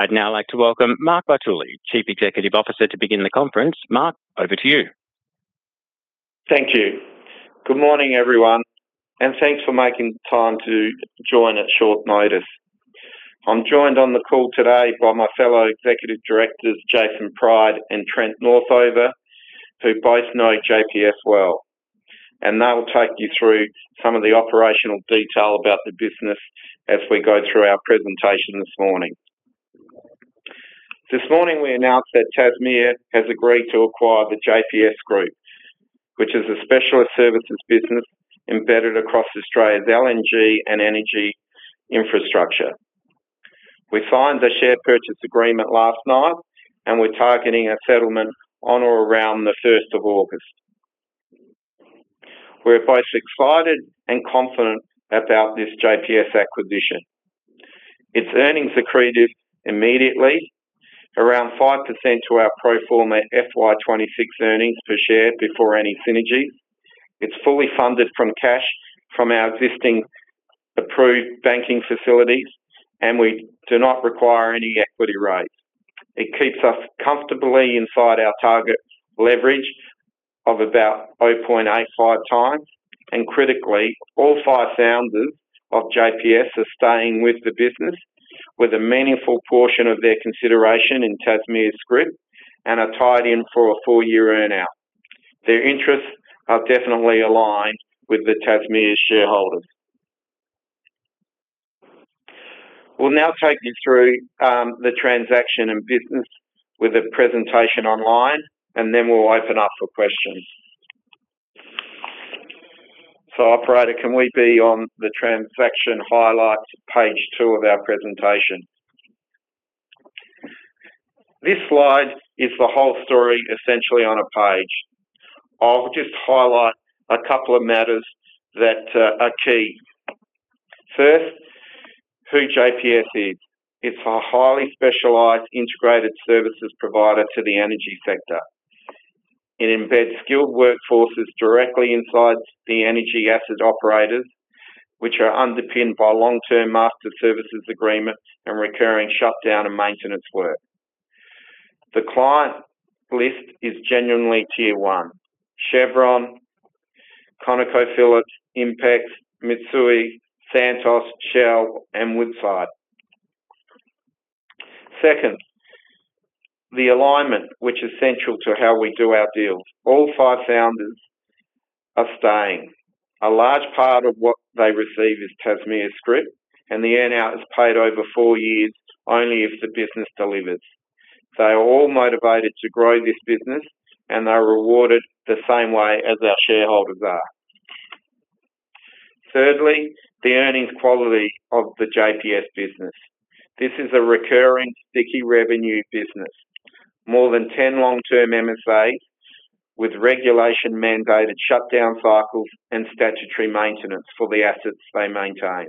I'd now like to welcome Mark Vartuli, Chief Executive Officer, to begin the conference. Mark, over to you. Thank you. Good morning, everyone, and thanks for making the time to join at short notice. I'm joined on the call today by my fellow Executive Directors, Jason Pryde and Trent Northover, who both know JPS well. They will take you through some of the operational detail about the business as we go through our presentation this morning. This morning, we announced that Tasmea has agreed to acquire the JPS Group, which is a specialist services business embedded across Australia's LNG and energy infrastructure. We signed the share purchase agreement last night, and we're targeting a settlement on or around the 1st of August. We're both excited and confident about this JPS acquisition. Its earnings accretive immediately, around 5% to our pro forma FY 2026 earnings per share before any synergy. It's fully funded from cash from our existing approved banking facilities, we do not require any equity raise. It keeps us comfortably inside our target leverage of about 0.85x, critically, all five founders of JPS are staying with the business with a meaningful portion of their consideration in Tasmea scrip and are tied in for a four-year earn-out. Their interests are definitely aligned with the Tasmea shareholders. We'll now take you through the transaction and business with a presentation online, then we'll open up for questions. Operator, can we be on the transaction highlights page two of our presentation? This slide is the whole story essentially on a page. I'll just highlight a couple of matters that are key. First, who JPS is. It's a highly specialized integrated services provider to the energy sector. It embeds skilled workforces directly inside the energy asset operators, which are underpinned by long-term Master Service Agreements and recurring shutdown and maintenance work. The client list is genuinely Tier-1. Chevron, ConocoPhillips, Inpex, Mitsui, Santos, Shell and Woodside. Second, the alignment which is central to how we do our deals. All five founders are staying. A large part of what they receive is Tasmea scrip, the earn-out is paid over four years only if the business delivers. They are all motivated to grow this business, they are rewarded the same way as our shareholders are. Thirdly, the earnings quality of the JPS business. This is a recurring sticky revenue business. More than 10 long-term MSAs with regulation-mandated shutdown cycles and statutory maintenance for the assets they maintain.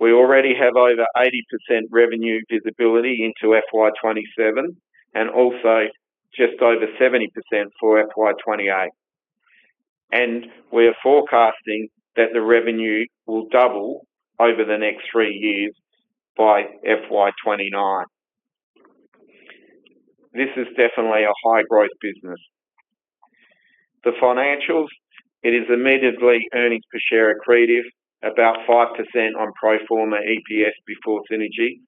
We already have over 80% revenue visibility into FY 2027 and also just over 70% for FY 2028. We are forecasting that the revenue will double over the next three years by FY 2029. This is definitely a high-growth business. The financials, it is immediately earnings per share accretive, about 5% on pro forma EPS before synergy.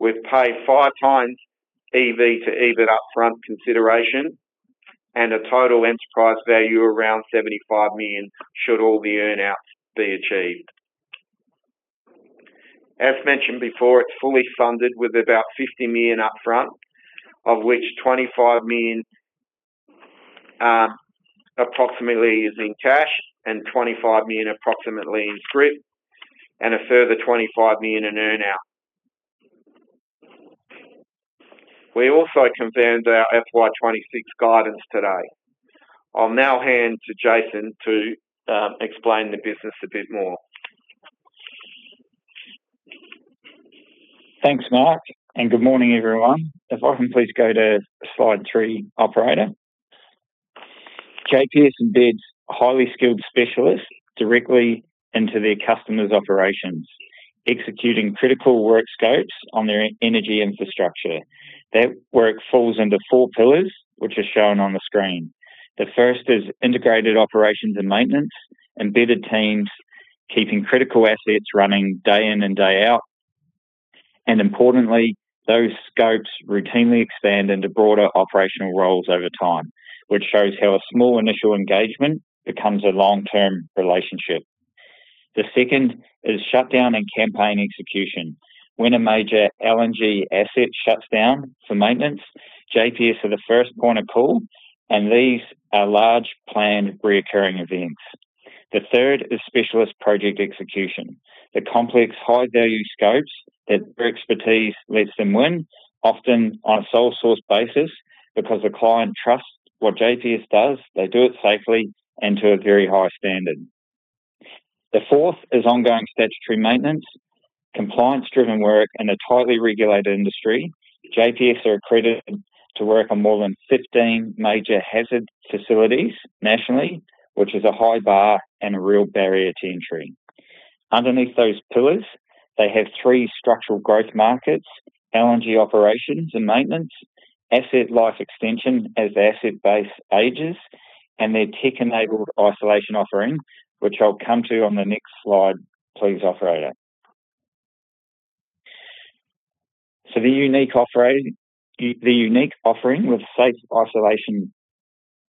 We've paid 5x EV/EBIT upfront consideration and a total enterprise value around 75 million, should all the earn-outs be achieved. As mentioned before, it's fully funded with about 50 million upfront, of which 25 million approximately is in cash and 25 million approximately in scrip, and a further 25 million in earn-out. We also confirmed our FY 2026 guidance today. I'll now hand to Jason to explain the business a bit more. Thanks, Mark, and good morning, everyone. If I can please go to slide three, Operator. JPS embeds highly skilled specialists directly into their customers' operations, executing critical work scopes on their energy infrastructure. That work falls under four pillars, which are shown on the screen. The first is integrated operations and maintenance, embedded teams keeping critical assets running day in and day out. Importantly, those scopes routinely expand into broader operational roles over time, which shows how a small initial engagement becomes a long-term relationship. The second is shutdown and campaign execution. When a major LNG asset shuts down for maintenance, JPS are the first port of call, and these are large planned reoccurring events. The third is specialist project execution. The complex high-value scopes that their expertise lets them win, often on a sole source basis because the client trusts what JPS does, they do it safely and to a very high standard. The fourth is ongoing statutory maintenance, compliance-driven work in a tightly regulated industry. JPS are accredited to work on more than 15 major hazard facilities nationally, which is a high bar and a real barrier to entry. Underneath those pillars, they have three structural growth markets, LNG operations and maintenance Asset life extension as asset base ages and their tech-enabled isolation offering, which I'll come to on the next slide, please, operator. The unique offering with Safe Isolation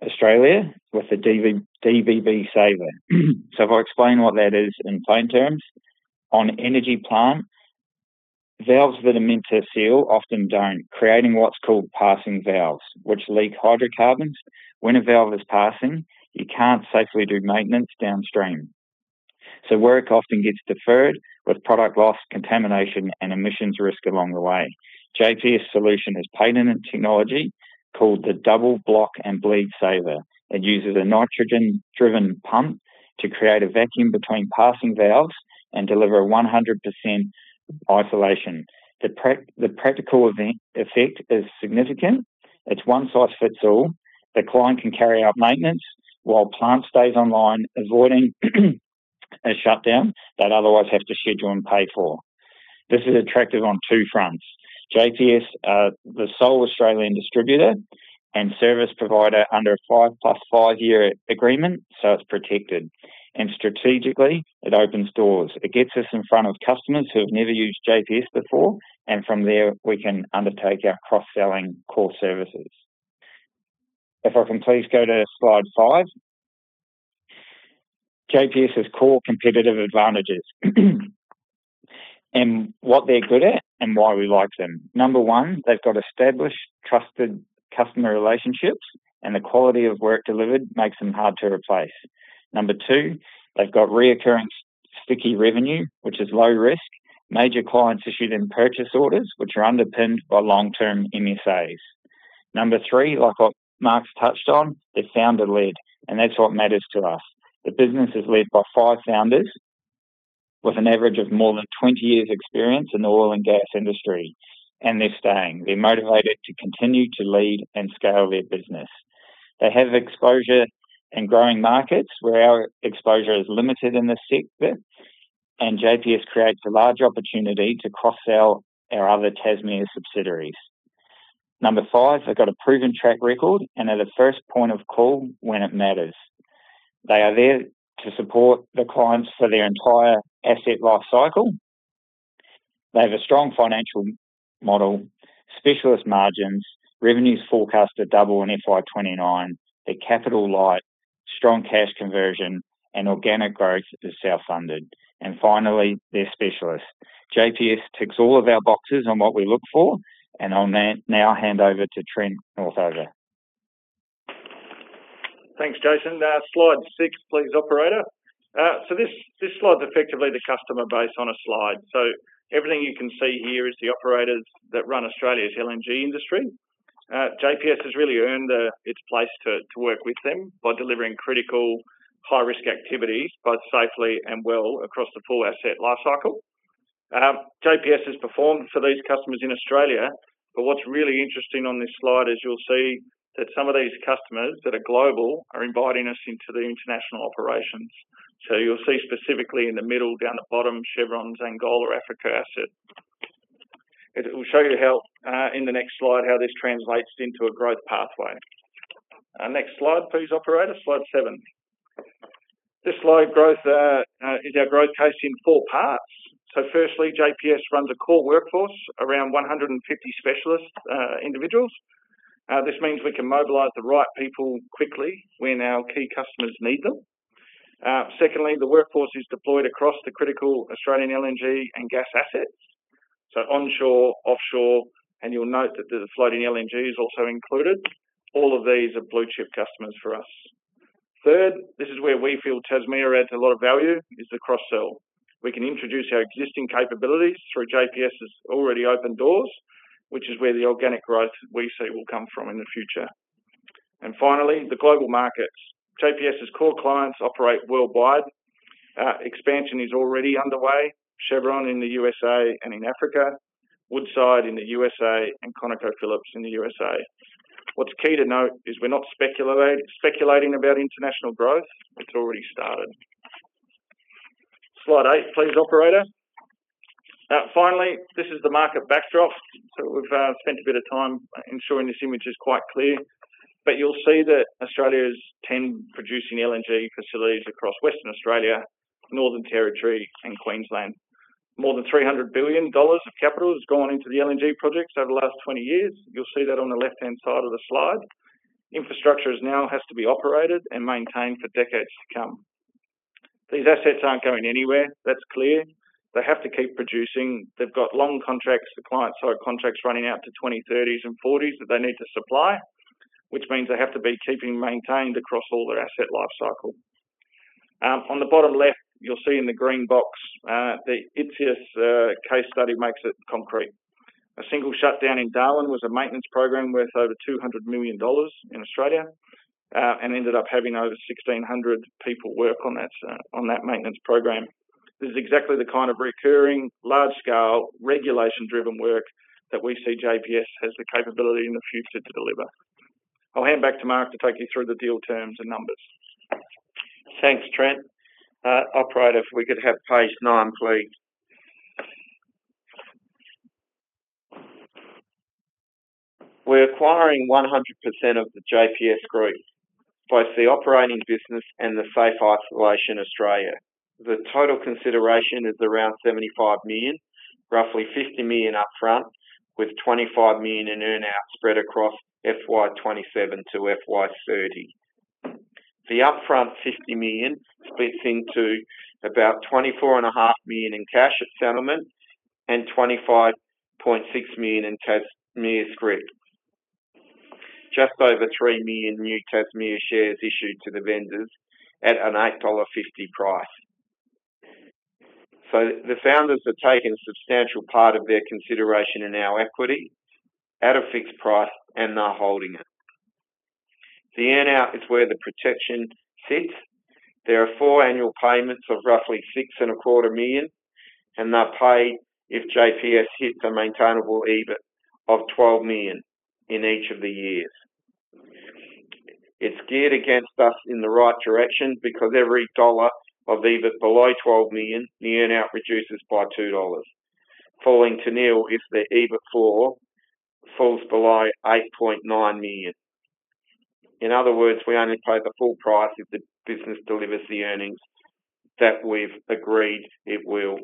Australia with the DBB-SAVER. If I explain what that is in plain terms. On energy plant, valves that are meant to seal often don't, creating what's called passing valves, which leak hydrocarbons. When a valve is passing, you can't safely do maintenance downstream. Work often gets deferred with product loss, contamination, and emissions risk along the way. JPS solution has patented technology called the Double Block & Bleed Saver. It uses a nitrogen-driven pump to create a vacuum between passing valves and deliver 100% isolation. The practical effect is significant. It's one size fits all. The client can carry out maintenance while plant stays online, avoiding a shutdown they'd otherwise have to schedule and pay for. This is attractive on two fronts. JPS are the sole Australian distributor and service provider under a five plus five-year agreement, so it's protected. Strategically, it opens doors. It gets us in front of customers who have never used JPS before, and from there, we can undertake our cross-selling core services. If I can please go to slide five. JPS has core competitive advantages. What they're good at and why we like them. Number one, they've got established, trusted customer relationships, and the quality of work delivered makes them hard to replace. Number two, they've got recurring sticky revenue, which is low risk. Major clients issue them purchase orders, which are underpinned by long-term MSAs. Number three, like what Mark's touched on, they're founder-led, and that's what matters to us. The business is led by five founders with an average of more than 20 years experience in the oil and gas industry, and they're staying. They're motivated to continue to lead and scale their business. They have exposure in growing markets where our exposure is limited in this sector, and JPS creates a large opportunity to cross-sell our other Tasmea subsidiaries. Number five, they've got a proven track record and are the first point of call when it matters. They are there to support the clients for their entire asset life cycle. They have a strong financial model, specialist margins, revenues forecast to double in FY 2029. They're capital light, strong cash conversion, and organic growth is self-funded. Finally, they're specialists. JPS ticks all of our boxes on what we look for, and I'll now hand over to Trent. Thanks, Jason. Slide six please, Operator. This slide is effectively the customer base on a slide. Everything you can see here is the operators that run Australia's LNG industry. JPS has really earned its place to work with them by delivering critical high-risk activities both safely and well across the full asset life cycle. JPS has performed for these customers in Australia, but what's really interesting on this slide is you'll see that some of these customers that are global are inviting us into the international operations. You'll see specifically in the middle down the bottom, Chevron Angola Africa asset. It will show you in the next slide how this translates into a growth pathway. Next slide, please, operator. Slide seven. This slide is our growth case in four parts. Firstly, JPS runs a core workforce, around 150 specialist individuals. This means we can mobilize the right people quickly when our key customers need them. Secondly, the workforce is deployed across the critical Australian LNG and gas assets. Onshore, offshore, and you'll note that the floating LNG is also included. All of these are blue-chip customers for us. Third, this is where we feel Tasmea adds a lot of value, is the cross-sell. We can introduce our existing capabilities through JPS' already open doors, which is where the organic growth we see will come from in the future. Finally, the global markets. JPS' core clients operate worldwide. Expansion is already underway. Chevron in the U.S.A. and in Africa, Woodside in the U.S.A., and ConocoPhillips in the U.S.A. What's key to note is we're not speculating about international growth. It's already started. Slide eight, please, Operator. Finally, this is the market backdrop. We've spent a bit of time ensuring this image is quite clear, but you'll see that Australia's 10 producing LNG facilities across Western Australia, Northern Territory, and Queensland. More than 300 billion dollars of capital has gone into the LNG projects over the last 20 years. You'll see that on the left-hand side of the slide. Infrastructure now has to be operated and maintained for decades to come. These assets aren't going anywhere. That's clear. They have to keep producing. They've got long contracts for clients who have contracts running out to 2030s and 2040s that they need to supply, which means they have to be keeping maintained across all their asset life cycle. On the bottom left, you'll see in the green box, the Ichthys case study makes it concrete. A single shutdown in Darwin was a maintenance program worth over 200 million dollars in Australia, and ended up having over 1,600 people work on that maintenance program. This is exactly the kind of recurring large-scale, regulation-driven work that we see JPS has the capability in the future to deliver. I'll hand back to Mark to take you through the deal terms and numbers. Thanks, Trent. Operator, if we could have page nine, please. We're acquiring 100% of the JPS Group, both the operating business and Safe Isolation Australia. The total consideration is around 75 million, roughly 50 million up front, with 25 million in earn-out spread across FY 2027-FY 2030. The upfront 50 million splits into about 24.5 million in cash at settlement and 25.6 million in Tasmea scrip. Just over three million new Tasmea shares issued to the vendors at an 8.50 dollar price. The founders have taken a substantial part of their consideration in our equity at a fixed price, and they're holding it. The earn-out is where the protection sits. There are four annual payments of roughly 6.25 million, and they'll pay if JPS hits a maintainable EBIT of 12 million in each of the years. It's geared against us in the right direction because every Australian dollar of EBIT below 12 million, the earn-out reduces by 2 dollars, falling to nil if their EBIT falls below 8.9 million. In other words, we only pay the full price if the business delivers the earnings that we've agreed it will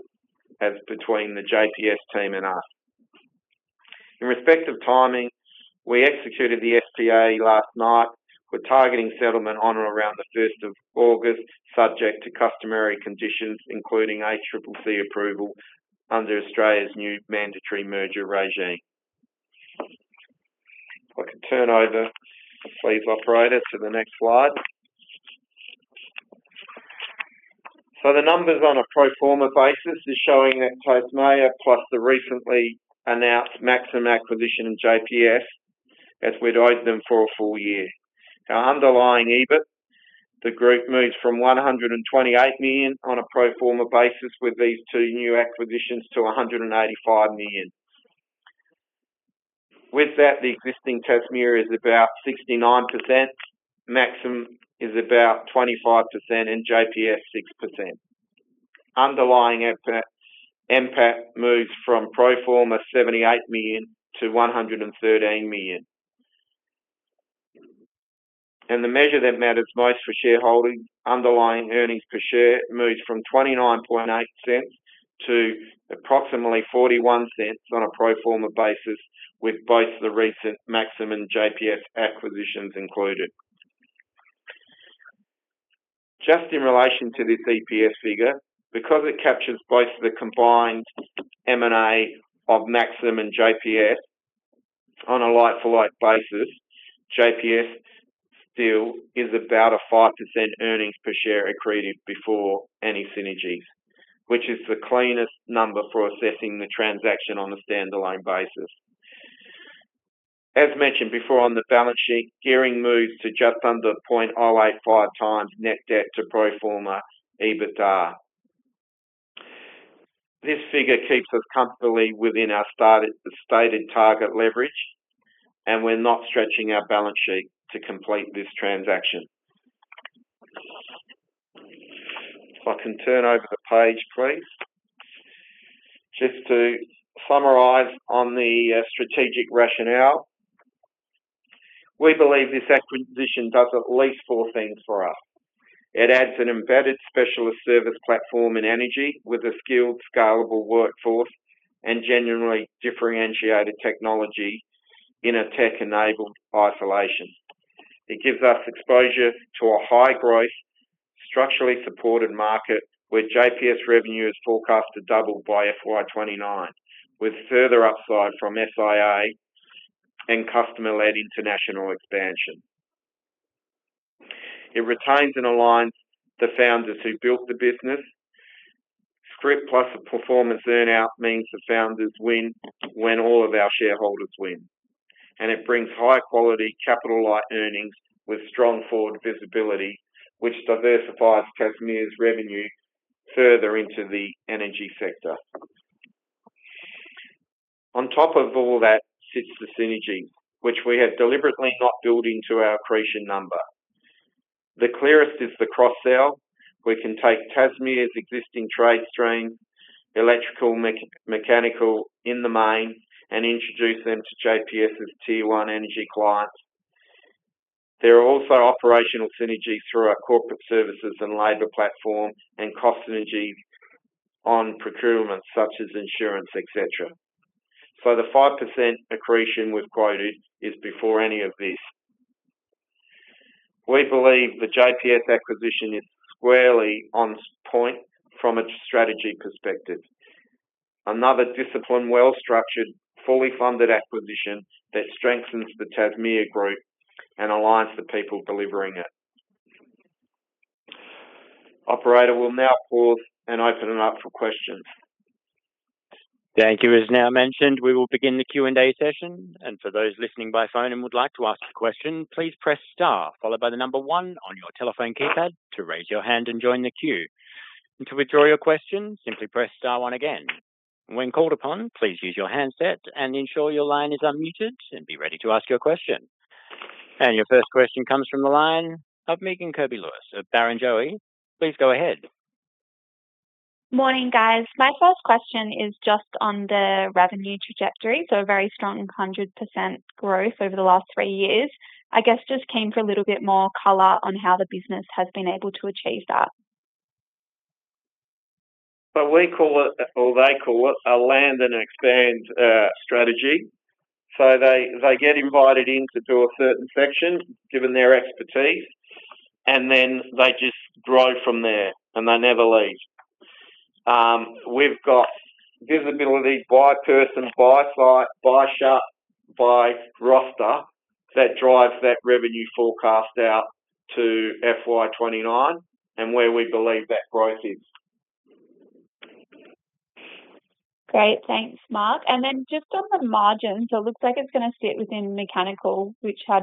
as between the JPS team and us. In respect of timing, we executed the SPA last night. We're targeting settlement on or around the 1st of August, subject to customary conditions, including ACCC approval under Australia's new mandatory merger regime. If I can turn over, please, Operator, to the next slide. The numbers on a pro forma basis is showing that Tasmea plus the recently announced Maxim acquisition and JPS, as we'd owned them for a full year. Our underlying EBIT, the group moves from 128 million on a pro forma basis with these two new acquisitions to 185 million. With that, the existing Tasmea is about 69%, Maxim is about 25%, and JPS 6%. Underlying NPAT moves from pro forma 78 million to 113 million. The measure that matters most for shareholding, underlying earnings per share, moves from 0.298 to approximately 0.41 on a pro forma basis with both the recent Maxim and JPS acquisitions included. Just in relation to this EPS figure, because it captures both the combined M&A of Maxim and JPS on a like-for-like basis. JPS still is about a 5% earnings per share accretive before any synergies, which is the cleanest number for assessing the transaction on a standalone basis. As mentioned before on the balance sheet, gearing moves to just under 0.85x net debt to pro forma EBITDA. This figure keeps us comfortably within our stated target leverage. We're not stretching our balance sheet to complete this transaction. If I can turn over the page, please. Just to summarize on the strategic rationale, we believe this acquisition does at least four things for us. It adds an embedded specialist service platform in energy with a skilled, scalable workforce and genuinely differentiated technology in a tech-enabled isolation. It gives us exposure to a high-growth, structurally supported market where JPS revenue is forecasted to double by FY 2029, with further upside from SIA and customer-led international expansion. It retains and aligns the founders who built the business. Scrip plus a performance earn-out means the founders win when all of our shareholders win. It brings high-quality, capital-light earnings with strong forward visibility, which diversifies Tasmea's revenue further into the energy sector. On top of all that sits the synergy, which we have deliberately not built into our accretion number. The clearest is the cross-sell. We can take Tasmea's existing trade stream, electrical, mechanical in the main, and introduce them to JPS' Tier-1 energy clients. There are also operational synergies through our corporate services and labor platform and cost synergies on procurement such as insurance, et cetera. The 5% accretion we've quoted is before any of this. We believe the JPS acquisition is squarely on point from a strategy perspective. Another disciplined, well-structured, fully funded acquisition that strengthens the Tasmea Group and aligns the people delivering it. Operator, we'll now pause and open it up for questions. Thank you. As now mentioned, we will begin the Q&A session. For those listening by phone and would like to ask a question, please press star, followed by the number one on your telephone keypad to raise your hand and join the queue. To withdraw your question, simply press star one again. When called upon, please use your handset and ensure your line is unmuted and be ready to ask your question. Your first question comes from the line of Megan Kirby-Lewis of Barrenjoey. Please go ahead. Morning, guys. My first question is just on the revenue trajectory. A very strong 100% growth over the last three years. I guess just came for a little bit more color on how the business has been able to achieve that? We call it, or they call it, a land and expand strategy. They get invited in to do a certain section, given their expertise, and then they just grow from there, and they never leave. We've got visibility by person, by site, by shop, by roster that drives that revenue forecast out to FY 2029 and where we believe that growth is. Great. Thanks, Mark. Just on the margins, it looks like it's going to sit within mechanical, which has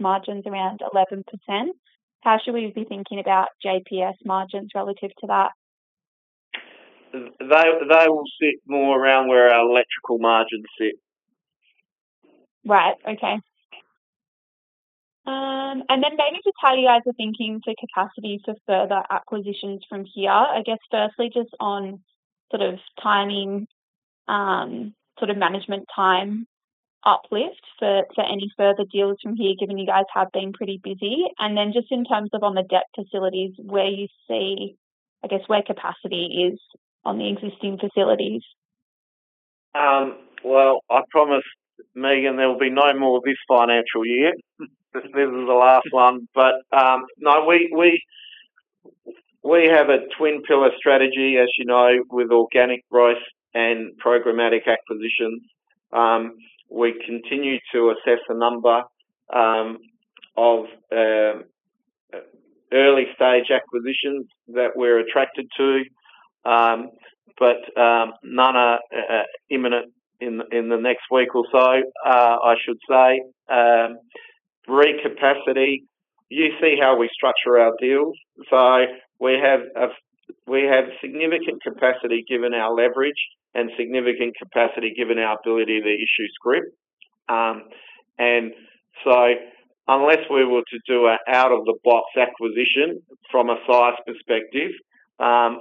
margins around 11%. How should we be thinking about JPS margins relative to that? They will sit more around where our electrical margins sit. Right. Okay. Maybe just how you guys are thinking for capacity for further acquisitions from here. I guess firstly just on timing, management time uplift for any further deals from here, given you guys have been pretty busy. Just in terms of on the debt facilities, where you see, I guess, where capacity is on the existing facilities? Well, I promised Megan there'll be no more this financial year. This is the last one. No, we have a twin pillar strategy, as you know, with organic growth and programmatic acquisitions. We continue to assess a number of early-stage acquisitions that we're attracted to. None are imminent in the next week or so, I should say. Re-capacity, you see how we structure our deals. We have significant capacity given our leverage and significant capacity given our ability to issue scrip. Unless we were to do an out-of-the-box acquisition from a size perspective,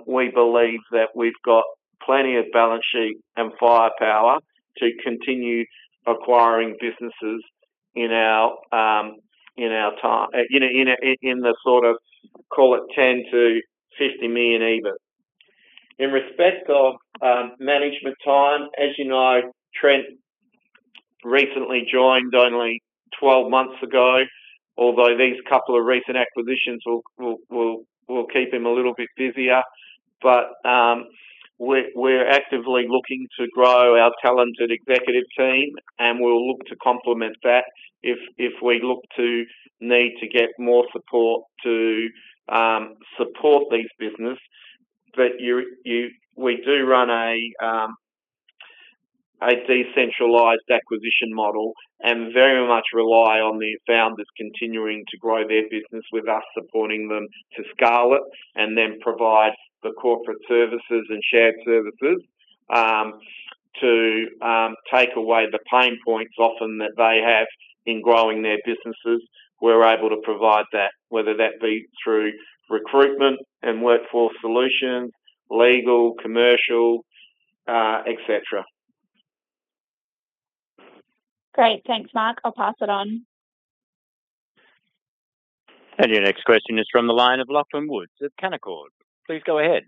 we believe that we've got plenty of balance sheet and firepower to continue acquiring businesses in the sort of, call it 10 million-50 million EBIT. In respect of management time, as you know, Trent recently joined only 12 months ago, although these couple of recent acquisitions will keep him a little bit busier. We're actively looking to grow our talented executive team, and we'll look to complement that if we look to need to get more support to support these business. We do run a decentralized acquisition model and very much rely on the founders continuing to grow their business with us supporting them to scale it and then provide the corporate services and shared services to take away the pain points often that they have in growing their businesses. We're able to provide that, whether that be through recruitment and workforce solutions, legal, commercial, et cetera. Great. Thanks, Mark. I'll pass it on. Your next question is from the line of Lachlan Woods at Canaccord. Please go ahead.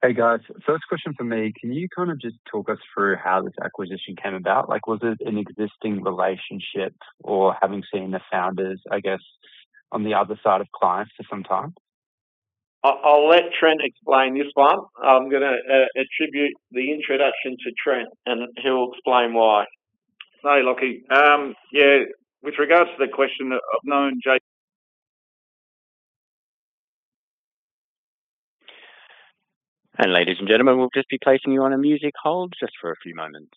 Hey, guys. First question from me. Can you kind of just talk us through how this acquisition came about? Was it an existing relationship or having seen the founders, I guess, on the other side of clients for some time? I'll let Trent explain this one. I'm going to attribute the introduction to Trent, and he'll explain why. No, Lachlan. Yeah, with regards to the question, I've known Jake. Ladies and gentlemen, we'll just be placing you on a music hold just for a few moments.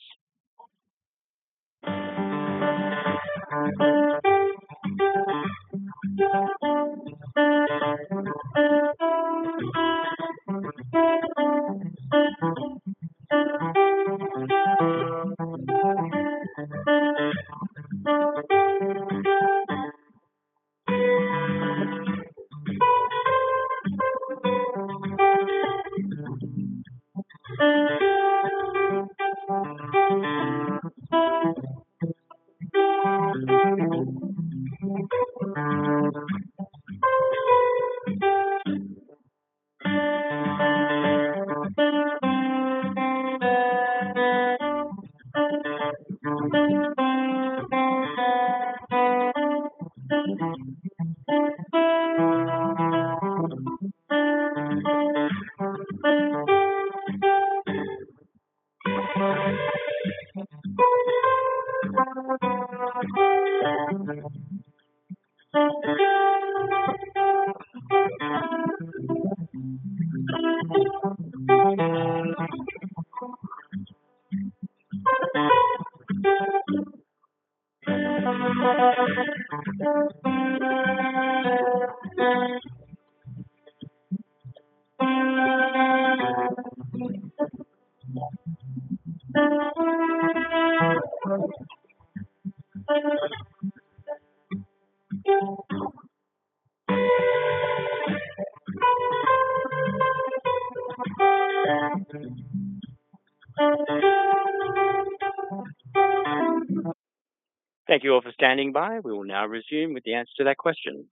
Thank you all for standing by. We will now resume with the answer to that question.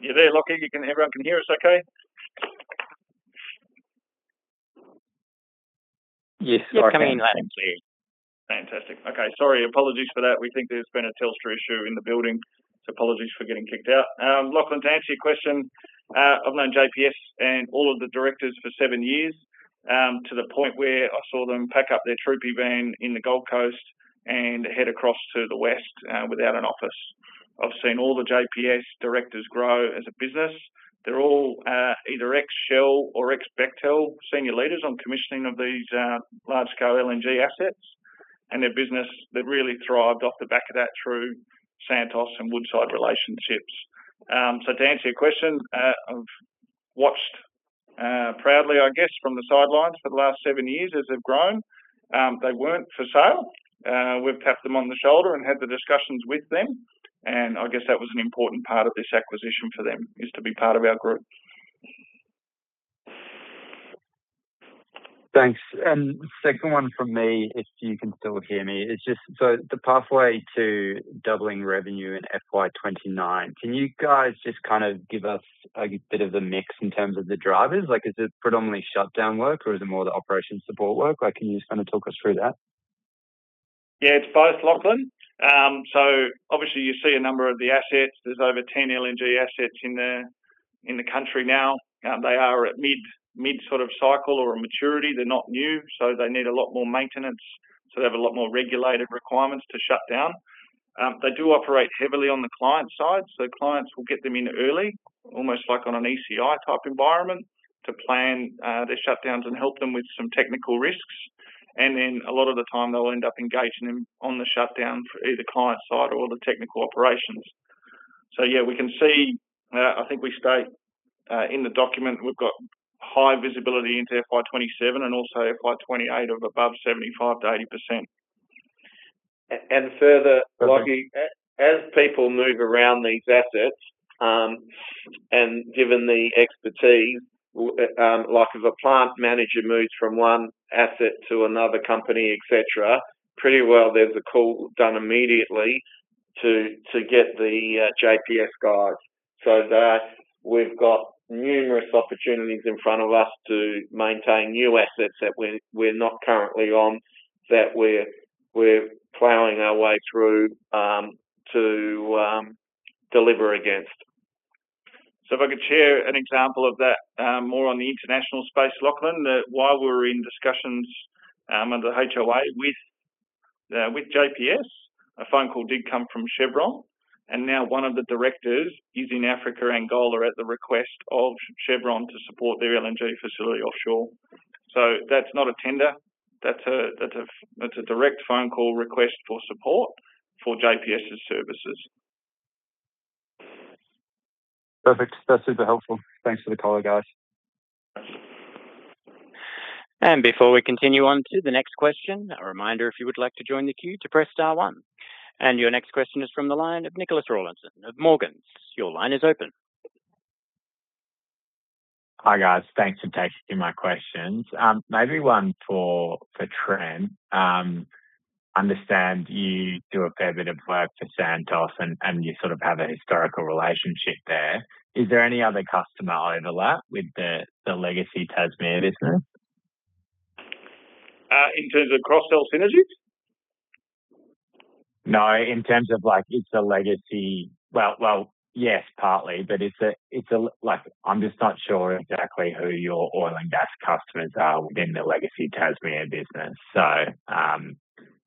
You there, Lachlan? Everyone can hear us okay? Yes. You're coming in loud and clear. Fantastic. Okay. Sorry, apologies for that. We think there's been a Telstra issue in the building. Apologies for getting kicked out. Lachlan, to answer your question, I've known JPS and all of the directors for seven years, to the point where I saw them pack up their troopy van in the Gold Coast and head across to the west without an office. I've seen all the JPS directors grow as a business. They're all either ex-Shell or ex-Bechtel senior leaders on commissioning of these large-scale LNG assets, their business, they've really thrived off the back of that through Santos and Woodside relationships. To answer your question, I've watched proudly, I guess, from the sidelines for the last seven years as they've grown. They weren't for sale. We've tapped them on the shoulder and had the discussions with them, and I guess that was an important part of this acquisition for them, is to be part of our group. Thanks. Second one from me, if you can still hear me. The pathway to doubling revenue in FY 2029, can you guys just give us a bit of the mix in terms of the drivers? Is it predominantly shutdown work, or is it more the operation support work? Can you just talk us through that? It's both Lachlan. Obviously you see a number of the assets. There's over 10 LNG assets in the country now. They are at mid cycle or maturity. They're not new, they need a lot more maintenance. They have a lot more regulated requirements to shut down. They do operate heavily on the client side, clients will get them in early, almost like on an ECI type environment, to plan their shutdowns and help them with some technical risks. A lot of the time they'll end up engaging them on the shutdown for either client side or the technical operations. We can see, I think we state in the document, we've got high visibility into FY 2027 and also FY 2028 of above 75%-80%. Further, Lachlan, as people move around these assets, and given the expertise, like if a plant manager moves from one asset to another company, et cetera. Pretty well there's a call done immediately to get the JPS guys. We've got numerous opportunities in front of us to maintain new assets that we're not currently on, that we're plowing our way through, to deliver against. If I could share an example of that more on the international space, Lachlan, that while we're in discussions under the HOA with JPS, a phone call did come from Chevron, and now one of the directors is in Africa, Angola, at the request of Chevron to support their LNG facility offshore. That's not a tender, that's a direct phone call request for support for JPS's services. Perfect. That's super helpful. Thanks for the color, guys. Before we continue on to the next question, a reminder if you would like to join the queue to press star one. Your next question is from the line of Nicholas Rawlinson of Morgans. Your line is open. Hi, guys. Thanks for taking my questions. Maybe one for Trent. Understand you do a fair bit of work for Santos and you have a historical relationship there. Is there any other customer overlap with the legacy Tasmea business? In terms of cross-sell synergies? No, in terms of it's a legacy Well, yes, partly, but I'm just not sure exactly who your oil and gas customers are within the legacy Tasmea business.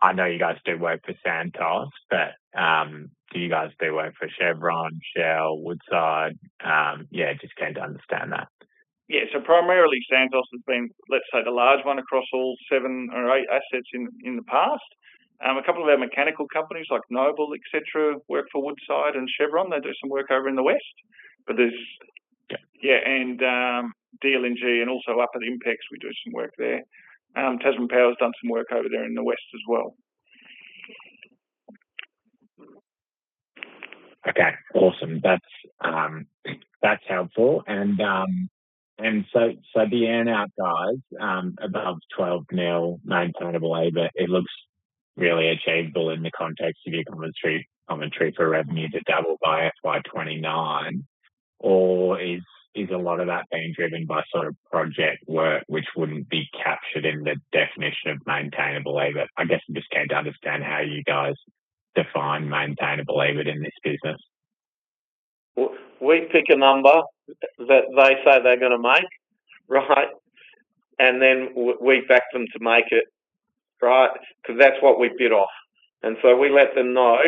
I know you guys do work for Santos, but, do you guys do work for Chevron, Shell, Woodside? Just keen to understand that. Yeah. Primarily, Santos has been, let's say, the large one across all seven or eight assets in the past. A couple of our mechanical companies like Nobles, et cetera, work for Woodside and Chevron. They do some work over in the west. There's Darwin LNG and also up at Inpex, we do some work there. Tasman Power's done some work over there in the west as well. Okay, awesome. That's helpful. The earn-out guides above 12 million maintainable EBITDA, it looks really achievable in the context of your commentary for revenue to double by FY 2029. Is a lot of that being driven by project work which wouldn't be captured in the definition of maintainable EBITDA? I guess I'm just keen to understand how you guys define maintainable EBITDA in this business. We pick a number that they say they're gonna make, right, and then we back them to make it, right. Because that's what we bid off. So we let them know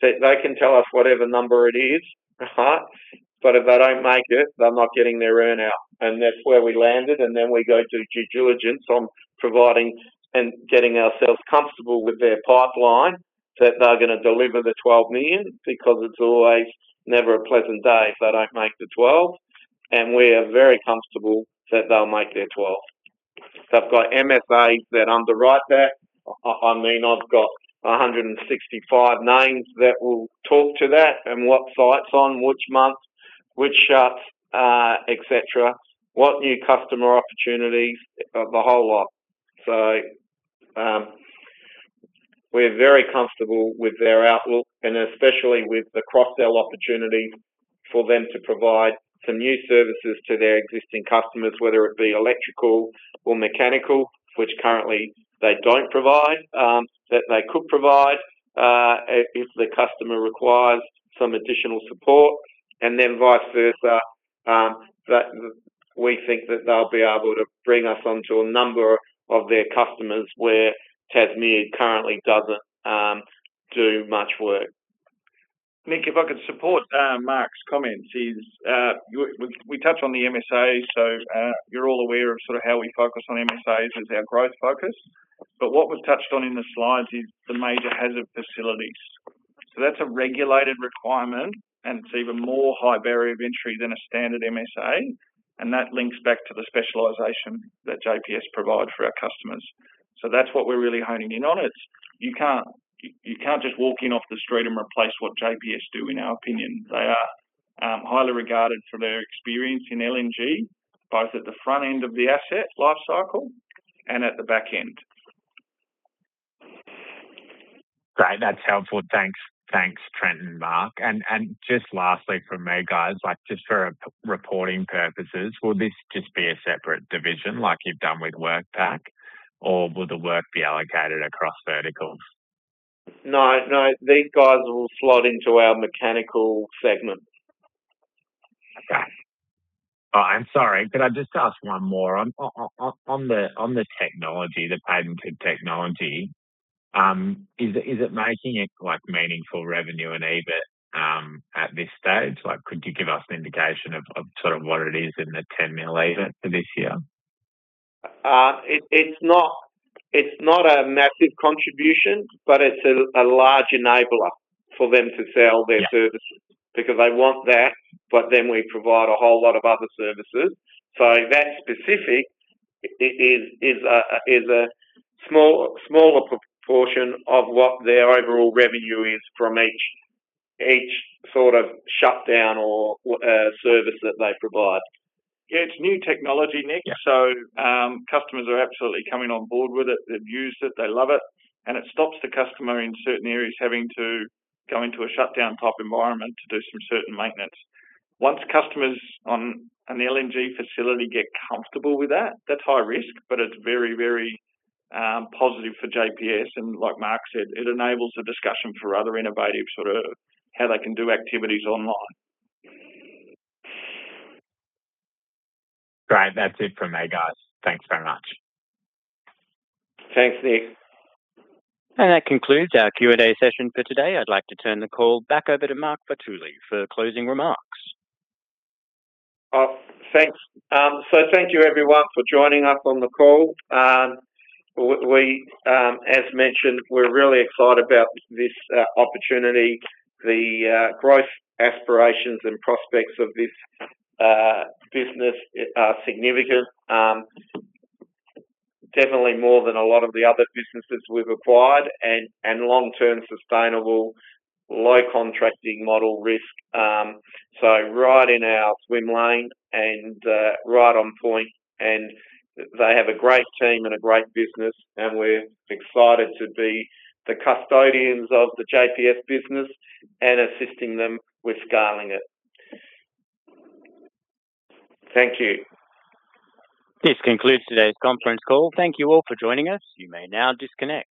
that they can tell us whatever number it is, right. But if they don't make it, they're not getting their earn-out. That's where we landed, then we go do due diligence on providing and getting ourselves comfortable with their pipeline, that they're gonna deliver the 12 million, because it's always never a pleasant day if they don't make the 12 million. We are very comfortable that they'll make their 12 million. They've got MSAs that underwrite that. I've got 165 names that will talk to that and what site's on which month, which shuts, et cetera, what new customer opportunities, the whole lot. We're very comfortable with their outlook and especially with the cross-sell opportunities for them to provide some new services to their existing customers, whether it be electrical or mechanical, which currently they don't provide, that they could provide, if the customer requires some additional support then vice versa. We think that they'll be able to bring us on to a number of their customers where Tasmea currently doesn't do much work. Nicholas, if I could support Mark's comments is, we touched on the MSAs. You're all aware of how we focus on MSAs as our growth focus. What was touched on in the slides is the major hazard facilities. That's a regulated requirement, and it's even more high barrier of entry than a standard MSA, and that links back to the specialization that JPS provide for our customers. That's what we're really honing in on. You can't just walk in off the street and replace what JPS do, in our opinion. They are highly regarded for their experience in LNG, both at the front end of the asset life cycle and at the back end. Great. That's helpful. Thanks, Trent and Mark. Just lastly from me, guys, just for reporting purposes, will this just be a separate division like you've done with WorkPac? Or will the work be allocated across verticals? No, these guys will slot into our Mechanical segment. Okay. I'm sorry, could I just ask one more? On the patented technology, is it making it meaningful revenue and EBIT at this stage? Could you give us an indication of what it is in the 10 million EBIT for this year? It's not a massive contribution, but it's a large enabler for them to sell their services because they want that, but then we provide a whole lot of other services. That specific is a smaller proportion of what their overall revenue is from each shutdown or service that they provide. Yeah, it's new technology, Nicholas. Yeah. Customers are absolutely coming on board with it. They've used it, they love it, and it stops the customer in certain areas having to go into a shutdown-type environment to do some certain maintenance. Once customers on an LNG facility get comfortable with that's high risk, but it's very positive for JPS. Like Mark said, it enables a discussion for other innovative how they can do activities online. Great. That's it from me, guys. Thanks very much. Thanks, Nicholas. That concludes our Q&A session for today. I'd like to turn the call back over to Mark Vartuli for closing remarks. Thanks. Thank you everyone for joining us on the call. As mentioned, we're really excited about this opportunity. The growth aspirations and prospects of this business are significant. Definitely more than a lot of the other businesses we've acquired and long-term sustainable, low contracting model risk. Right in our swim lane and right on point, and they have a great team and a great business and we're excited to be the custodians of the JPS business and assisting them with scaling it. Thank you. This concludes today's conference call. Thank you all for joining us. You may now disconnect.